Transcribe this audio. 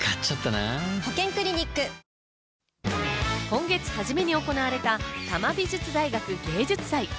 今月初めに行われた多摩美術大学芸術祭。